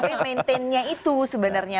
tapi maintainnya itu sebenarnya